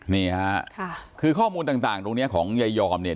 นี่ค่ะคือข้อมูลต่างตรงเนี้ยของยายยอมเนี่ย